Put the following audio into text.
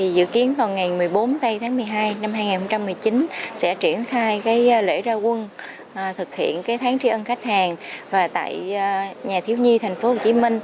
dự kiến vào ngày một mươi bốn tây tháng một mươi hai năm hai nghìn một mươi chín sẽ triển khai lễ ra quân thực hiện tháng tri ân khách hàng và tại nhà thiếu nhi tp hcm